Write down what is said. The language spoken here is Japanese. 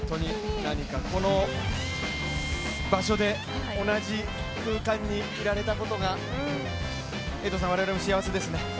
この場所で同じ空間にいられたことが我々も幸せですね。